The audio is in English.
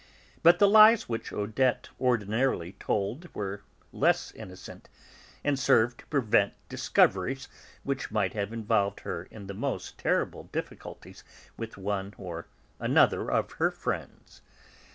But the lies which Odette ordinarily told were less innocent, and served to prevent discoveries which might have involved her in the most terrible difficulties with one or another of her friends.